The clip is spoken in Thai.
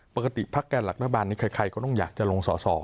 ปกติภักรแกนหลักรัฐบาลใครก็ต้องอยากลงสอ